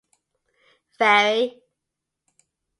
Ferry.